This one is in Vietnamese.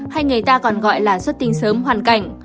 hay người ta còn gọi là xuất tinh sớm hoàn cảnh